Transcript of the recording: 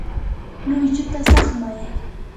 luychuta saqmay.